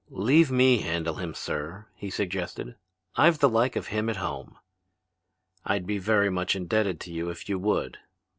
"Leave me handle him, sir," he suggested. "I've the like of him at home." "I'd be very much indebted to you if you would."